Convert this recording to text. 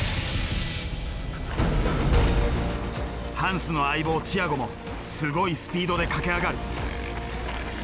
ハンスの相棒チアゴもすごいスピードで駆け上がる。